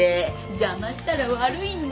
邪魔したら悪いんで。